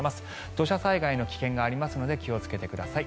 土砂災害の危険がありますので気をつけてください。